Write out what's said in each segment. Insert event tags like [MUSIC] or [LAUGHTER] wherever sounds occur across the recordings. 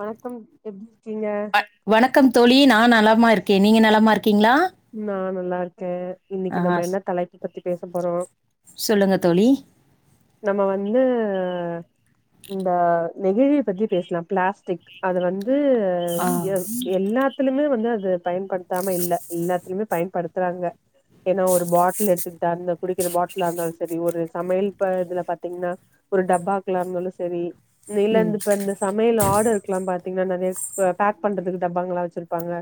வணக்கம் எப்டி இருக்கீங்க வணக்கம் தோழி நா நலமா இருக்கே நீங்க நலமாருக்கீங்ளா நா நல்லார்க்கே இன்னிக்கி நம்ம என்ன தலைப்பு பத்தி பேசப் போறோ சொல்லுங்க தோழி நம்ம வந்து இந்த நெகிழி பத்தி பேஸ்லா ப்ளாஸ்டிக் அத வந் து ஆ எவ் எல்லாத்துலுமே வந்து அத பயன்பட்த்தாம இல்ல [UNINTELLIGIBLE] பயன்படுத்துறாங்க என்ன ஒரு பாட்ல் எடுத்து தெர்ந்து குடிக்கிற பாட்லாந்தாலு செரி ஒரு சமைல் ப இதுல பாத்தீங்ன்னா ஒரு டப்பாக்லார்ந்தாலு செரி ம் நீலந்துப்ப இந்த சமைல் ஆடருக்லான் பாத் திங்க நற்ய போ பேக் பண்றதுக்கு டப்பாங்களா வெச்சிருப்பாங்ள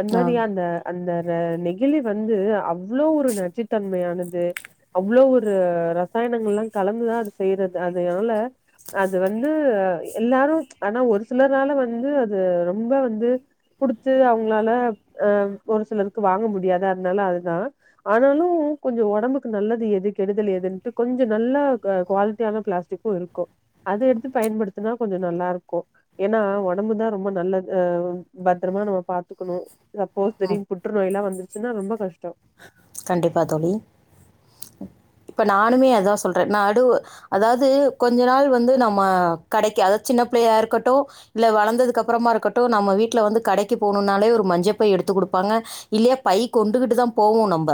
அந் ஆ மாரி அந்த அந்த ர நெகிலி வந்து அவ்ளோ ஒரு நச்சுட்டன்மையானது அவ்ளோ ஒரு ரசாயனங்கள்லா கலந்துதா அது செய்றது அது எவ்ள அது வந்து எல்லாரு ஆனா ஒரு சிலரால வந்து அது ரொம்ப வந்து குடுத்து அவுங்ளால அ ஒரு சிலர்க்கு வாங்க முடியாது அத்னால அதுதா ஆனாலு கொஞ்ச ஒடம்புக்கு நல்லது எது கெடுதல் எது கொஞ்ச நல்லா குவால்ட்டியான ப்ளாஸ்டிக்கு இருக்கு அத எடுத்து பயன்படுத்துனா கொஞ்ச நல்லாரு கோ ஏன்னா ஒடம்புதா ரொம்ப நல்லத் பத்ரமா நம்ம பாத்துக்குணு திடீன் புற்றுநோய்லா வந்துர்ச்சுனா ரொம்ப கஷ் கண்டிப்பா தோழி இப்ப நானுமே அதா சொல்ற நடுவு அதாவ்து கொஞ்ச நாள் வந்து நம்ம கடக்கி அல் சின்னப்ளியா இருக்கட்டோ இல்ல வளந்ததுக்கப்பறமாருக்கட்டு நம்ம வீட்ல வந்து கடக்கி போனுன்னாலே ஒரு மஞ்சப்பை எடு து குடுப்பாங்க இல்லியா பை கொண்டுகுட்டு தா போவோ நம்ப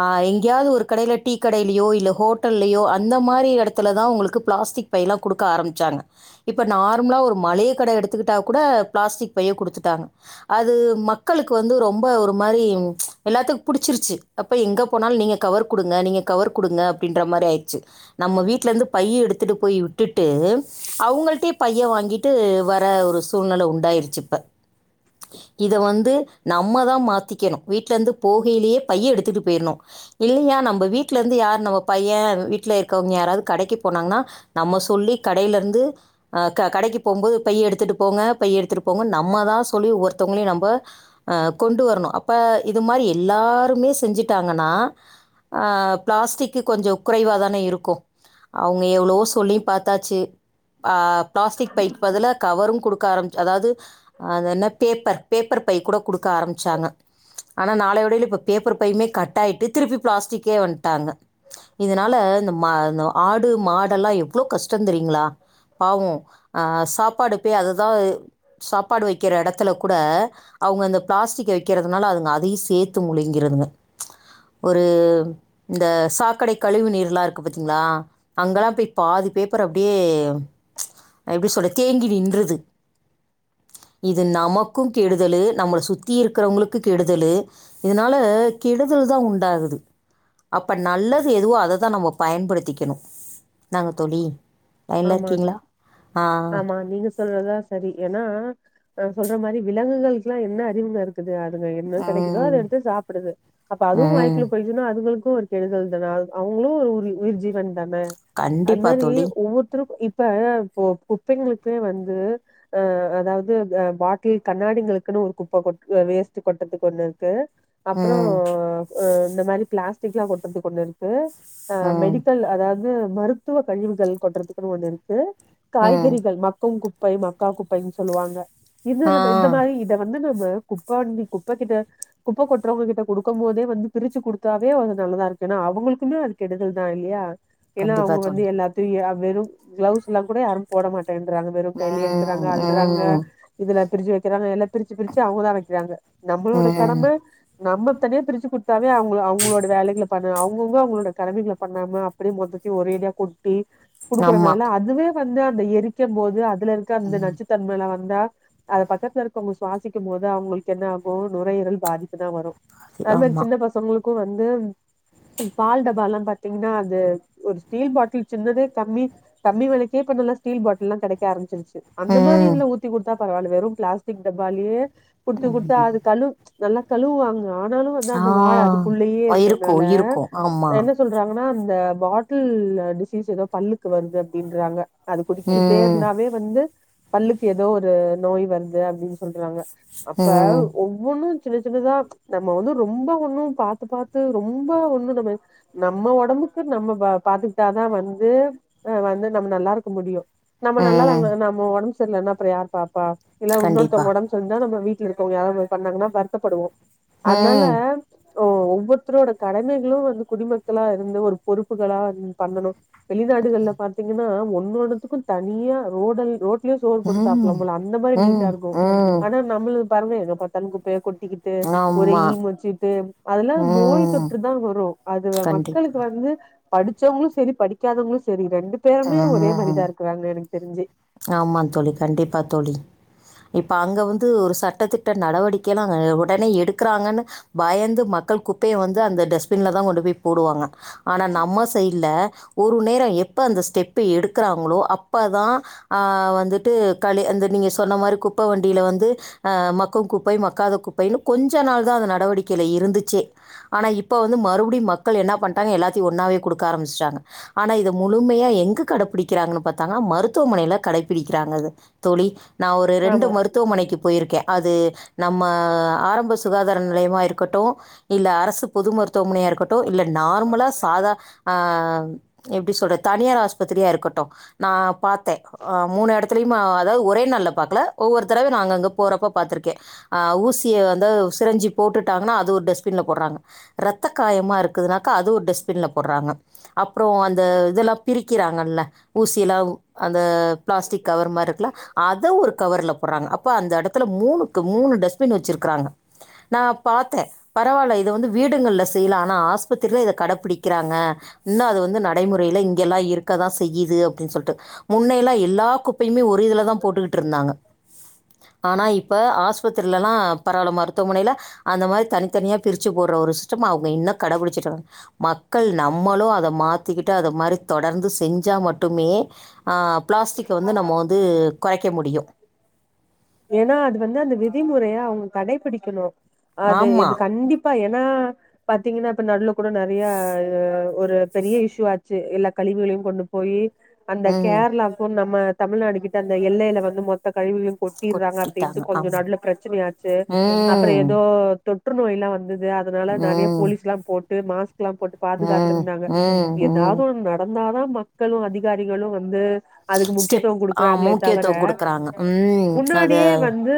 ஆ எங்கியாது ஒரு கடைல டீ கடைலியோ இல்ல ஹோட்டல்லையோ அந்த மாரி எடத்துலதா ஒங்குளுக்கு ப்ளாஸ் திக் பைலா குடுக்க ஆரம்ச்சாங்க இப்ப நார்ம்லா ஒரு மலயே கட எடுத்துக்குட்டா கூட ப்ளாஸ்டிக் பைய குடுத் துட்டாங்க அது மக்களுக் வந்து ரொம்ப ஒரு மாரி எல்லாத்துக் புடுச்சிருச்சு அப்ப எங்க போனால் நீங்க கவர் குடுங்க நீங்க கவர் குடுங்க அப்டின்ற மர் அயிட்சு நம்ம வீட்ல டந்து பை எடுத்துட்டு பொய் உட்டுட்டு அவுங்கள்டே பைய வாங்ட்டு வர ஒரு சூழ்நல உண்டாய்ர்ச்சிப்ப இத வந்து நம்ம தா மாத்திக்கெணு வீட்லந்து போகயிலியே பை எடுத்துட்டு பெயிர்னு இல்லியா நம்ப வீட்லர்ந்து யார் நம்ம பைய வீட்ல இர்க்கவ்ங்க அராது கடக்கி போனாங்னா நம்ம சொல்லி கடைலர்ந்து க கடைக்கி போகும்போது பை எடுத்துட்டு போங்க பை எடுத்துருப்போங்க நம்ம தான் சொல்லி ஒர்த்தொவ்ங்லியு நம்ப அ கொண்டு வருணு அப்ப இது மாரி ல்லாருமே செஞ்சிட்டாங்கனா அ ப்ளாஸ்டிக்கு கொஞ்சொ குறைவா தான இருக்கு அவ்ங்க எவ்ளோவோ சொல்லியு பாத்தாச்சு ஆ ப்ளாஸ்டிக் பைக் பதுல கவரும் குடுக்க ஆரம்ச் அதாவ்து அதன்ன பேப்பர் பேப்பர் பை கூட குடுக்க ஆரம்ச்சாங்க ஆனா நாளையோடைல இப்ப பேப்பர் பையுமே கட் ஆயிட்டு திருப்பி ப்ளாஸ்டிக்கே வன்ட்டாங்க இதனால இந்த மா இந்த ஆடு மாடல்லா எவ்ளோ கஷ்டொந் தெரியுங்ளா பாவோ அ சாப்பாடு பே அதுதா சாப்பாடு வெக்கிற எடத்துல கூட அவுங்க அந்த ப்ளாஸ்டிக்க விக்கிறதுனால அதுங்க அதியு சேத்து முலுங்கிறதுங்க ஒரு இந்த சாக்கடை கலிவு நீர்லா இருக்கு பத்தீங்ளா அங்கலா பேய் பாத் அது பேப்பர் அப்டியே எப்டி சொல்ல தேங்கி நின்றுது இது நமக்கு கெடுதலு நம்மள சுத்தி இருக்குறவுங்ளுக்கு கெடுதலு இதுனால கெடுதல் தா உண்டாகுது அப்ப நல்லது எதுவோ அததா நம்ம பயன்படுத்திக்கெணு நாங்க தோழி லைன்லர்க்கீங்ளா ஆ சொல்றதா சரி ஏன்னா அ சொல்ற மரி விலங்குகள்க்லா என்ன அறிவுங்க இருக்குது அத் துங்க என்ன கடைக்குதோ அத ம் எடுத்து சாப்புடுது அப்ப அதுவு ம் வாய்க்குல்ல பொய்சுனா அதுங்களுக் கு ஒரு கெடுதல் தன அத் அவுங்ளு ஒரு உரி உயிர்ஜீவன் தன அத் கண்டிப்பாக மேரி தோழி ஒவ்வொர் இப்ப கு குப்பைங்களுக்கே வந்து அ அதாவது பாட்டில் கண்ணாடி எங்களுக்குனு ஒரு குப்ப கொட் அ வேஸ்ட் கொட்றதுக்கு ஒன்னு இருக்கு அப்புறோ ம் அ இந்த மாரி ப்ளாஸ்டிக்லா கொட்றதுக்கு ஒன்னு இருக்கு அ ம் மெடிக்கல் அதாவது மருத்துவ கழிவுகள் கொட்றதுக்குன்னு ஒன்னு இருக் கு ம் காய்கறிகள் மக்கும் குப்பை மக்கா குப்பைன்னு சொல்லுவாங்க இது ஆ நம்ம இந்த மாரி இத வந்து நம்ம குப்பவண்டி குப்பகிட்ட குப்ப கொட்றவங்க கிட்ட கொடுக்கும் போதே வந்து பிரிச்சு கொடுத்தாவே வந்து நல் லாருக்கு ஏன்னா அவங்களுக்குமே அது கெடுதல் தா இல்லையா ஏன்னா கண்டிப்பாக அவங்க தோழி வந்து எல்லாத்தையு வெறும் க்ளவுஸ் எல்லா கூட யாரும் போட மாட் டன்றாங்க வெறு கையிலயே இருக்கறாங்க ம் அல்றாங்க ம் இதுல பிரிச்சு வைக்கிறாங்க எல்லா பிரிச்சு பிரிச்சு அவங்கதா வைக்கிறாங்க நம்மளோட ம் கடம நம்ம தனியா பிரிச்சு குடுத் தாவே அவங்க அவங்களோட வேலைகள பண்ண அவங்கவுங்க அவங்களோட கடமைகள பண்ணாம அப்படியே மொத்தையு ஒரேடியா கொட்டி ஆமா க்கறனால அதுவே வந்து அந்த எரிக்கம் போது அதுல இருக்க அந்த நச்சுத்தன்மலா வந் தா அத பக்கத்துல இருக்கவங்க சுவாசிக்கும் போது அவங்களுக்கு என்ன ஆகும் நுரையீரல் பாதிப்பு தா வரும் அதா ஆமா சின்ன பசங்களுக்கு வந்து பால்டபால்லாம் பாத்தீங்கன்னா அது ஒரு ஸ்டீல் பாட்டில் சின்னதே கம்மி கம்மி வெலைக்க இப்ப நல்லா ஸ்டீல் பாட்டில்லா கெடைக்க ஆரம்பிச்சிருச்சு அந்த மாரி ம் இதுல ஊத்தி குடுத்தா பரவால்ல வெறும் ப்ளாஸ்டிக் டப்பாலியே குடுத்து குடுத்து அது கழுவ் நல்லா கழுவுவாங்க ஆனாலு வந்து ஆ அந்த வாட அதுக்குள்ளயே இருக்கு இருக்குறனால இருக்கு ஆமா என்ன சொல்றாங்கனா அந் த பாட்டில் டிசீஸ் ஏதோ பல்லுக்கு வருது அப்டின்றாங்க அது குடிச்சிட்டே ம் இருந்தாவே வந்து பல்லுக்கு ஏதோ ஒரு நோய் வர்து அப்டின் சொல்றாங்க அப்ப ம் ஒவ்வொன்னு சின்ன சின்னதா நம்ம வந்து ரொம்ப ஒண்ணும் பாத்து பாத்து ரொம்ப ஒண்ணு நம்ம நம்ம ஒடம் புக்கு நம்ம ப பாத்துக்ட்டாதா வந்து அ வந்து நம் நல்லாருக்க முடியு நம்ம நல்லா ம் நம்ம நம்ம ஒடம்பு செர்லனா அப்ற யார் பாப்பா இல்ல கண்டிப்பா இன்னொருத்தங் ஒடம்பு [UNINTELLIGIBLE] நம்ப வீட்ல இருக்கவங்க யாராவது பண்ணாங்கனா வருத்தப்படுவோ அத்னால ம் ஓ ஒவ்வொருத்ரோட கடமைகளு வந்து குடிமக்களா இருந்து ஒரு பொறுப்புகளா வந் பண்ணணு வெளி நாடுகள்ல பாத்தீங்கன்னா ஒன்னொன்னுத்துக்கும் தனியா ரோடல் ரோ ட்லியே சோறு போட்டு ம் சாப்லாம் போல அந்த மாரி ம் நீட்டா இருக்கு ம் ஆனா நம்முளு பாருவே எங்க பாத்தாலு குப்பய கொட் ட்டிக்கிட்டு ஒரு ஆமா ஈ முச்சிட்டு அதெல்லா நோய் ம் தொற்றுதா வரும் அது கண்டிப்பா மக்களுக்கு வந்து படிச்சவங்களு சரி படிக்காதவங்களு சரி ரெண்டு பேருமே ஒரே மாதிரிதா இருக்கறாங்க எனக்கு தெரிஞ்சு ஆமா தோழி கண்டிப்பா தோழி இப்ப அங்க வந்து ஒரு சட்டத்திட்ட நடவடிக்கல்லா உடனே எடுக்கறாங்கன்னு பயந்து மக் கள் குப்பைய வந்து அந்த டஸ்பின்ல தா கொண்டு போய் போடுவாங்க ஆனா நம்ம சைட்ல ஒரு நேரம் எப்ப அந்த ஸ்டெப் எடுக்கிறாங்களோ அப்பதா ஆ வந்துட்டு களி அந்த நீங்க சொன்ன மாரி குப்ப வண்டியில வந்து ஆ மக்கும் குப்பை மக்காத கு ப்பைனு கொஞ்ச நாள் தா அந்த நடவடிக்கைையில இருந்துச்சே ஆனா இப்ப வந்து மறுபடியும் மக்கள் என்ன பண்ட்டாங்க எல்லா த்தையு ஒன்னாவே கொடுக்க ஆரம்பிச்டாங்க ஆனா இத முழுமையா எங்கு கடபிடிக்கிறாங்கன் பாத்தாங்கனா மருத்துவமனையில கடைப்பிடிக்கிறாங்க அத தோழி நா ஒரு ரெண்டு ஆமா மருத்துவமனைக்கு போயிருக்கே அது நம்ம ஆரம்ப சுகாதார நிலையமா இருக்கட்டு இல்ல அரசு பொது மருத்துவமனையா இருக்கட்டு இல்ல நார்மலா சாதா ஆ எப்டி சொல்ற த தனியார் ஆஸ்பத்திரியா இருக்கட்டு நா பாத்தே ஆ மூணு எடத்துலயும் அதாவது ஒரே நாள்ல பாக்கல ஒவ்வொரு தடவ நாங்க அங்க போறப்ப பாத்திருக்கே ஊ சிய வந்து அது ஒரு சிரஞ்சு போட்டுட்டாங்கன்னா அது ஒரு டஸ்பின்ல போடுறாங்க ரத்த காயமா இருக்குதுனாக்க அது ஒரு டஸ் பின்ல போட்றாங்க அப்றோ அந்த இதெல்லா பிரிக்கிறாங்கல்ல ஊசிலா அந்த பிளாஸ்டிக் கவர் மாரி இருக்குல்ல அத ஒரு கவர்ல போ ட்றாங்க அப்ப அந்த எடத்துல மூணுக்கு மூணு டஸ்பின் வச்சிருக்கறாங்க நா பாத்தே பரவால்ல இத வந்து வீடுங்கள்ல செய்யலா ஆனா ஆஸ்பத்திரில இத கடப்பிடிக்கிறாங்க இன்னு அது வந்து நடைமுறையில இங்கெல்லா இருக்கதா செய்யுது அப்டின்னு சொல்ட்டு முன்னயெல்லா எல்லா குப்பையுமே ஒரு இதுலதா போட்டுகிட்டு இருந்தாங்க ஆனா இப் ப ஆஸ்பத்திரில எல்லா பரவால்ல மருத்துவமனையில அந்த மாரி தனித்தனியா பிரிச்சு போடுற ஒரு சிஸ்டம் அவுங்க இன்னு கடபுடுச்சுட்டு வராங்க மக்கள் நம்மளு அத மாத்திக்கிட்டு அத மாரி தொடர்ந்து செஞ்சா மட்டுமே மே ஆ பிளாஸ்டிக்க வந்து நம்ம வந்து குறைக்க முடி ஏனா அது வந்து அந்த விதிமுறையா அவுங்க கடைபிடிக்கணு அது ஆமா. எது கண்டிப்பா ஏனா பாத்தீங்கன்னா இப்ப நடுவுல கூட நெறயா ஒரு பெரிய இஷ்யூ ஆச்சு எல்லா கழிவகளையு கொண்டு போய் அந்த ம். கேரளாக்கு நம்ம தமிழ்நாடு கிட்ட அந்த எல்லையில வந்து மொத்த கழிவுகளையு கொட்டிர்றாங்க அப்டின்ட்டு கொட்டிட்டாங்க. கொஞ்சோ ஆமா. நடுவுல பிரச்சனயாச்சு அப்புறோ ம். ஏதோ தொற்று நோய் எல்லா வந்து இது அதனால நெறயா ம். போலீஸ் எல்லாம் போட்டு மாஸ் கெல்லாம் போட்டு ம். பாதுகாத்துருந்தாங்க ம். ம். எதாவது ஒன் நடந்தாதா மக்களு அதிகாரிகளு வந்து அதுக்கு ஸ்டெப் முக்கியத்துவோ ஆ குடுக்கறாங்ளே தவர முக்கியத்துவம் குடுக்குறாங்க. ம். அத முன்னாடியே வந்து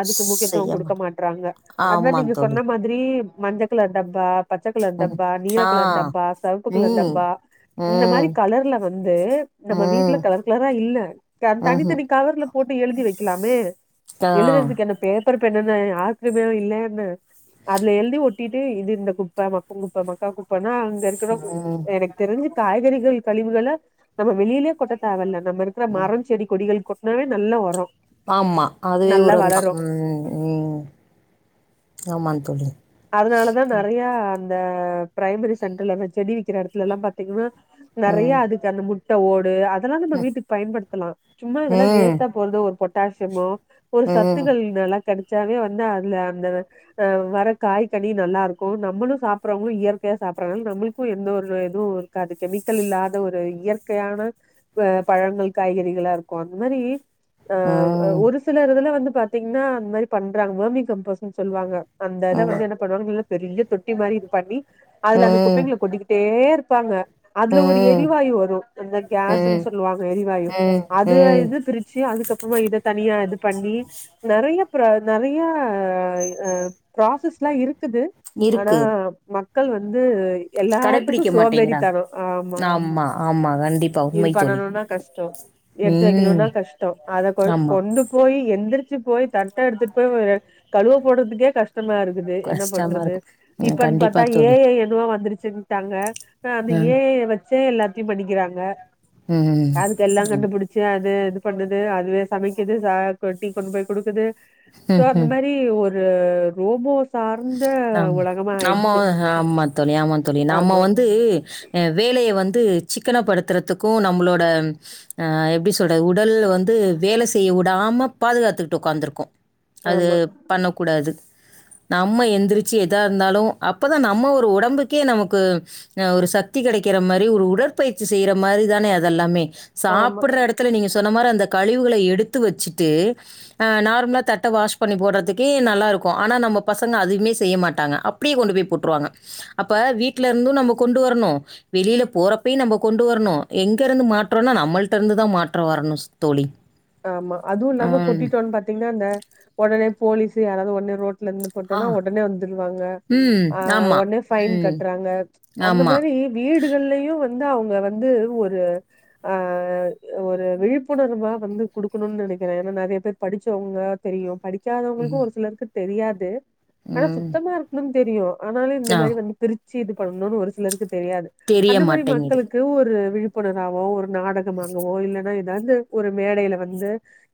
அதுக்கு முக்கியத்துவோ செய்ய குடுக்க மாட் மாட்டறாங்க அததா நீங்க ஆமாந் தோழி. சொன்ன மாதிரி ரி மஞ்சள் கலர் டப்பா பச்ச கலர் டப்பா நீல கலர் டப்பா செவுப்பு கலர் டப்பா இந்த மாரி கலர்ல வந்து நம்ம வீட்ல கலர் கலரா இல்ல க தனித்தனி கவர்ல ட எழுதி வைக்கலாமே எழுதுறதுக்கு என்ன பேப்பர் பெண்ணுன்னு யாக்குமே இல்லேன்னு அதுல எழுதி ஒட்டிட்டு இது இந்த குப்ப மக்குன் குப்ப மக்கா குப்ப நா அங்க இருக்குனு எனக்கு தெரிஞ்சு காய்கறிகள் கழிவுகள நம்ம வெளியிலயே கொட்ட தேவல்ல நம்ம இருக்கிற மரோ செடி கொடிகள் கொட்னாவே நல்ல உரோ ஆமா அதுவே உரம்தா ம் ம் ஆமாந் தோழி அதனாலதா நெறயா அந்த பிரைமரி சென்டர்ல அந்த செடி விக்கிற எடத்துல எல்லா பாத்தீங்கன்னா ம் நெறயா அதுக்கு அந்த முட்ட ஓடு அ தெல்லா நம்ம வீட்டுக்கு பயன்படுத்தலா சும்மா இதெல்லா ம் வேஸ்ட்டா போறதோ ஒரு பொட்டாசியமோ ஒரு ம் ம் சத்துக்கள் நல்லா கிடைச்சாவே வந்து அதுல அந்த அ வர காய்க்கனி நல்லா இருக்கு நம்மளு சாப்பறவங்களு இயற்கையா சாப்பறதுனால நம்மளுக்கு எந்த ஒரு எதுவு இருக்காது கெமி க்கல் இல்லாத ஒரு இயற்கையான பழங்கள் காய்கறிகளா இருக்கு அந்த மாரி ஆ ம் ஒரு சில இதுல வந்து பாத்தீங்கன்னா அந்த மாரி பண்றாங்க வேமி கம்போஸ்ன்னு சொல்லுவாங்க அந்த ம் வந்து என்ன பண்ணுவாங்க பெரிய தொட்டி மாரி இது பண்ணி அதுல அந்த ம் குப்பைங்கள கொட்டிக்கிட்டே இருப்பாங்க அதுல ஒரு ம் எரிவாயு வரு அந்த கேஸ்ன்னு சொல்லுவாங்க எரிவாயு அது ம் இது பிரிச்சு அதுக்கப்புறமா இத தனியா இது பண்ணி நெறயா ப்ர நெறயா ப்ராசஸ் எல்லா இரு க்குது ஆனா இருக்கு மக்கள் வந்து எல்லாத்துக்கு கடைப்பிடிக்க மாட்டேங்கிறாங்க சோம்பேறித்தனோ ஆமா ஆமா கண்டிப்பா இது உண்மை தோழி பண்ணணுனா கஷ்டோ எடுத்து ம் வெக்கணும்னா கஷ்டோ அத ஆமா கொண்டு போய் எந்திர் ச்சு போய் தட்ட எடுத்துட்டு போய் கழுவ போடுறதுக்கே கஷ் டமா இருக்குது என்ன கஷ்டமா பண்றது இருக்கு ம் இப்பன்னு பாத்தா கண்டிப்பா ஏ தோழி ஐனு ஏதோ வந்துருச்சுட்டாங்க அந்த ம் ஏ ஐ வெச்சே எல்லாத்தையு பண்ணிக்கிறாங்க ம் அதுக்கு எல்லா ஆமா கண்டுபுடுச்சு அது இது பண்ணுது அதுவே சமைக்குது டீ கொண்டு போய் குடுக்குது சோ அந்த ம்ஹ்ம். மாரி ஒரு ஒரு ரோபோ ஆ உலகமா நம ஆயிடுச்சு ஆமா தோழி ஆமா தோழி நம்ம ஆமா வந்து வேலய வந்து ந்து சிக்கனப்படுத்துறதுக்கு நம்மளோட எப்டி சொல்ற உடல் வந்து வேல செய்ய விடாம பாதுகாத்துக்கிட்டு உக்காந்துட்டுருக்கோ அது ஆமா பண்ணக்கூடாது நம்ம எந்திரிச்சு எதா இருந்தாலு அப்போதா நம்ம ஒரு ஒடம்புக்கே நமக்கு ஒரு சக்தி கேடைக்கு கிற மாரி ஒரு உடற்பயிற்சி செய்யற மாரிதானே அதெல்லாமே ஆமா சாப்பிடற எடத்துல நீங்க சொன்ன மார அந்த கழிவுகள எடுத்து வெச்சுட்டு அ நார்மலா தட்ட வாஷ் பண்ணி போடுறதுக்கே நல்லா இருக்கு ஆனா நம்ம பசங்க அதுவுமே செய்ய மாட்டாங்க அப்படியே கொண்டு போய் போட்டுருவாங்க அப்ப வீட்ல இருந்து நம்ம கொண்டு வரணு வெளியில போறப்பய்யு நம்ம கொண்டு வரணு எங்க இருந்து மாற்றோம்னா நம்மளிட்ட இருந்துதா மாற்றோ வரணு தோழி ஆமா அதுவு இல்லாம ம். கொட்டிட்டோன் பாத்தீங்கன்னா அந்த உடனே போலீஸு யாராவது உடனே ரோட் ட்ல இருந்து ஆ. போட்டோனா உடனே வந்துருவாங்க ம். ஆஹ் ஆமா. உடனே பஃைன் ம். கட்டுறாங்க அந்த ஆமா. மாதிரி வீடுகள்லயும் வந்து அவங்க வந்து ஒரு ஆஹ் ஒரு விழிப்புணர்மா வந்து குடுக்கணும்னு நினைக்கிறேன் ஏன்னா நிறைய பேர் படிச்சவங்க தெரியும் படிக்காதவங்களுக்கும் ஒரு சிலருக்கு தெரியாது ஆனா ம். சுத்தமா இருக்கணும்னு தெரியும் ஆனாலும் இந்த ஆ. மாதிரி வந்து பிரிச்சு இது பண்ணணும்னு ஒரு சிலருக்கு தெரியாது தெரிய அந்த மாதிரி மாட்டேங்குது. மக்களுக்கு ஒரு விழிப்புணர்வோ ஒரு நாடகம் ஆங்கவோ இல்லைன்னா ஏதாவது ஒரு மேடையில வந்து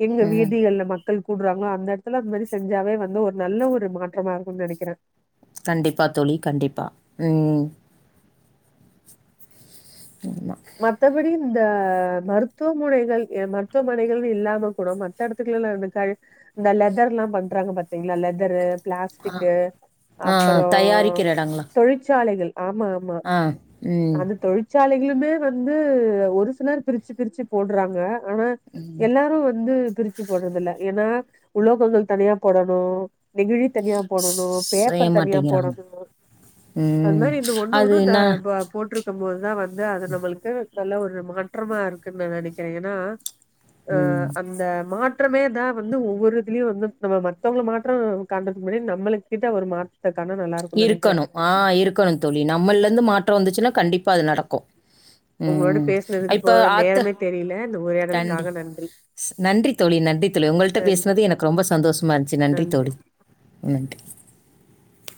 எங்க ம். வீதிகள்ல மக்க மள் கூடுறாங்களோ அந்த இடத்துல அந்த மாதிரி செஞ்சாவே வந்து ஒரு நல்ல ஒரு மாற்றமா இருக்கும்ு நினைக்கிறேன் கண்டிப்பா துளி கண்டிப்பா உம் மத்தபடி இந்த மருத்துவ முனைகள் மருத்துவமனைகள் இல்லாம கூட மத்த இடத்துக்குலல்ல இருந்து க இந்த லெதர் எல்லாம் பண்றாங்க பாத்தீங்களா லெதரு ஆ பிளாஸ்டிக்கு ஆ அப்புறம் தயாரிக்கிற எடங்களா தொழிற்சாலைகள் ஆமா ஆமா ஆ ம் அந்த தொழிற்சாலைகளுமே வந்து ஒரு சிலர் பிரிச்சு பிரிச்சு போடுறாங்க ஆனா எல்லாரும் வந்து பிரிச்சு போடுறதில் ஏன்னா உலோகங்கள் தனியா போடணும் நெகிழ தனியா போடணும் செய்ய பேப்பர் தனியா மாட்டேங்கிறாங்க போடணும் அது ம் மாதிரி இந்த ஒண்ணு அது ஒண்ணும் என்ன போட்டிருக்க இருக்கும் போோதுதான் வந்து அது நம்மளுக்கு நல்ல ஒரு மாற்றமா இருக்குன்னு ந நினைக்கிறேன் ஏன்னா ம் அஹ் அந்த மா மாமோன் வந்து ஒவ்வொரு இதுலயும் வந்து நம்ம மத்தவங்க மாற்றம் காண்றதுக்கு முன்னா நம்ம கிட்ட ஒரு மா இருக்கணும் ஆஹ் இருக்கணும் தழி நம்மல இருந்து மாற்றம் வந்துச்சுன்னா கண்டிப்பா அது நடக்கும் உங்களோட பேசுினதுக்கு போ ஆத்த நேரமே தெரியல இந்த கண்டி உரையாடலுக்காக நன்றி நன்றி தோழி நன்றி தோழி உங்கள்கிட்ட நன்றி பேசுினது எனக்கு ரொம்ப சந்தோஷமா இருந்துச்சு நன்றி தோழி நன்றி